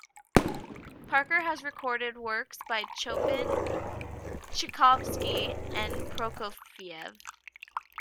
Parker has recorded works by Chopin, Tchaikovsky and Prokofiev.